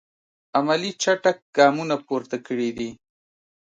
عملي چټک ګامونه پورته کړی دي.